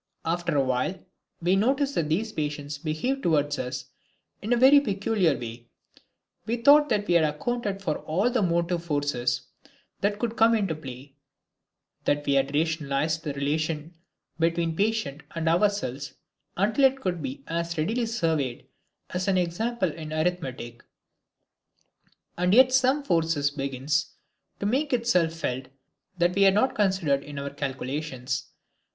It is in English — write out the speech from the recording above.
After a while we notice that these patients behave toward us in a very peculiar way. We thought that we had accounted for all the motive forces that could come into play, that we had rationalized the relation between the patient and ourselves until it could be as readily surveyed as an example in arithmetic, and yet some force begins to make itself felt that we had not considered in our calculations.